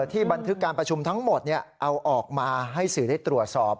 ที่บันทึกการประชุมทั้งหมดเอาออกมาให้สื่อได้ตรวจสอบ